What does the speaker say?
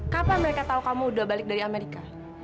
kapan mereka tahu kamu udah balik dari amerika